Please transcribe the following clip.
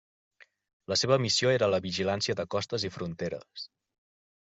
La seva missió era la vigilància de costes i fronteres.